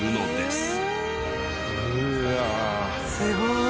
すごい！